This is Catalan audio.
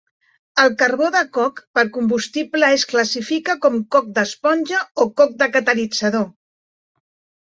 El carbó de coc per combustible es classifica com coc d'esponja o coc de catalitzador.